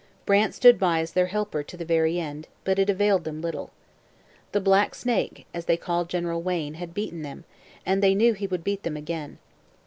Brant stood by as their helper to the very end, but it availed them little. The Black Snake, as they called General Wayne, had beaten them, and they knew he would beat them again.